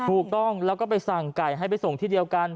ถูกต้องแล้วก็ไปสั่งไก่ให้ไปส่งที่เดียวกัน